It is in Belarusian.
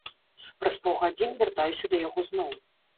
Праз паўгадзіны вяртаюся да яго зноў.